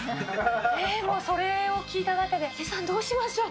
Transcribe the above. もうそれを聞いただけで、どうしましょう。